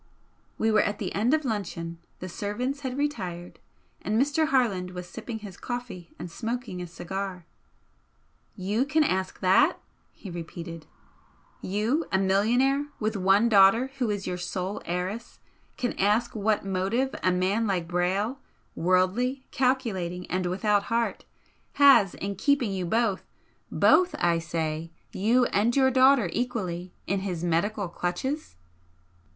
We were at the end of luncheon, the servants had retired, and Mr. Harland was sipping his coffee and smoking a cigar. "You can ask that?" he repeated "You, a millionaire, with one daughter who is your sole heiress, can ask what motive a man like Brayle, worldly, calculating and without heart has in keeping you both both, I say you and your daughter equally in his medical clutches?"